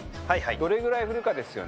どれぐらい振るかですよね。